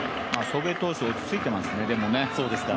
祖父江投手、落ち着いていますね。